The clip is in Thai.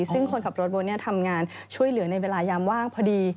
ซึ่งคนขับรถบนทำงานช่วยเหลือในเวลายามว่างพอดี